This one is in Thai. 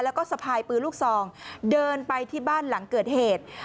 แล้วก็สะพายปืนลูกซองเดินไปที่บ้านหลังเกิดเหตุ